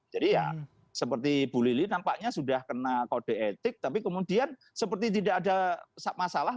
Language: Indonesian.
jadi ya seperti bu lili nampaknya sudah kena kode etik tapi kemudian seperti tidak ada masalah